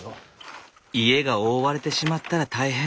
家が覆われてしまったら大変。